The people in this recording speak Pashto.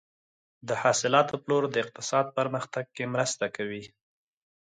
د حاصلاتو پلور د اقتصاد پرمختګ کې مرسته کوي.